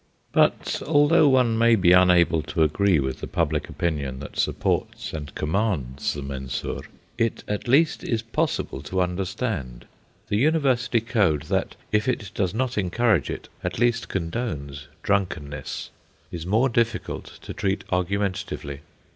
But though one may be unable to agree with the public opinion that supports and commands the Mensur, it at least is possible to understand. The University code that, if it does not encourage it, at least condones drunkenness, is more difficult to treat argumentatively.